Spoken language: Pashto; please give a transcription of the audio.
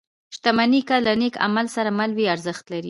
• شتمني که له نېک عمل سره مل وي، ارزښت لري.